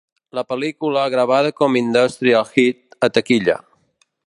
La pel·lícula gravada com "Industry Hit" a taquilla.